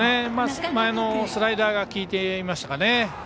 前のスライダーが効いていましたかね。